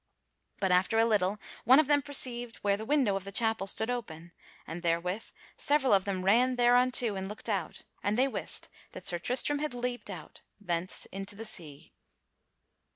But after a little, one of them perceived where the window of the chapel stood open, and therewith several of them ran thereunto and looked out, and they wist that Sir Tristram had leaped out thence into the sea.